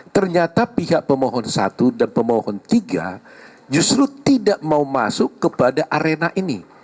ternyata pihak pemohon satu dan pemohon tiga justru tidak mau masuk kepada arena ini